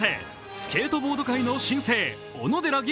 スケートボード界の新星、小野寺吟